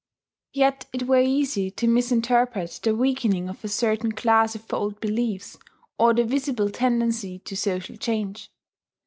Yet it were easy to misinterpret the weakening of a certain class of old beliefs, or the visible tendency to social change.